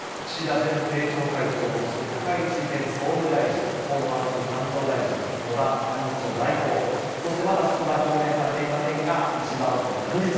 前政調会長、そして高市前総務大臣、河野ワクチン担当大臣、野田幹事長代行、そして、まだ出馬表明されていませんが、石破元幹事長。